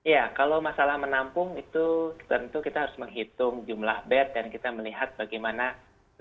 ya kalau masalah menampung itu tentu kita harus menghitung jumlah bed dan kita melihat bagaimana